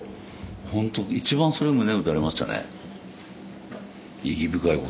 本当一番それ胸打たれましたね。